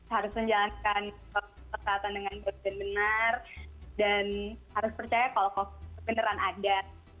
harus menjalankan kesempatan dengan benar dan harus percaya kalau covid beneran ada